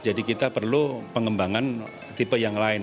jadi kita perlu pengembangan tipe yang lain